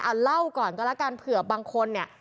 เอาเล่าก่อนก็แล้วกันเผื่อบางคนเนี่ย